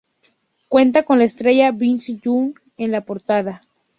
Cuenta con la estrella Vince Young en la portada.